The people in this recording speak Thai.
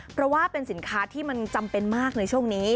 เพราะว่าเป็นสินค้าที่มันจำเป็นมากในช่วงนี้